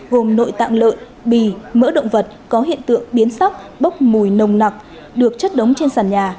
gồm nội tạng lợn bì mỡ động vật có hiện tượng biến sắc bốc mùi nồng nặc được chất đóng trên sàn nhà